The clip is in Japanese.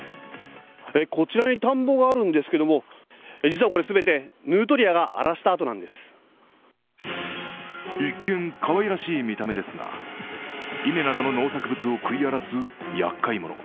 こちらに田んぼがあるんですけども実はこれ全てヌートリアが荒らした跡なんです一見、かわいらしい見た目ですが稲などの農作物を食い荒らすやっかい者。